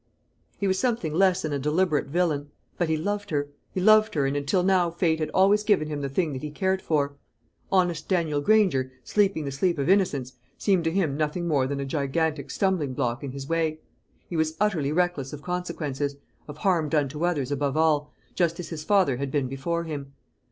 He was something less than a deliberate villain: but he loved her; he loved her, and until now fate had always given him the thing that he cared for. Honest Daniel Granger, sleeping the sleep of innocence, seemed to him nothing more than a gigantic stumbling block in his way. He was utterly reckless of consequences of harm done to others, above all just as his father had been before him.